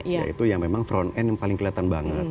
yaitu yang memang front end yang paling kelihatan banget